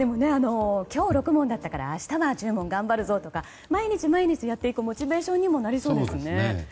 今日６問だったから明日は１０問頑張るぞと毎日やるモチベーションにもなりそうですね。